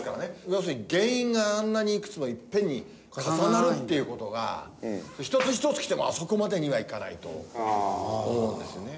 要するに原因があんなにいくつもいっぺんに重なるっていう事が一つ一つきてもあそこまでにはいかないと思うんですね。